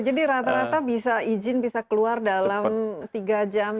jadi rata rata ijin bisa keluar dalam tiga jam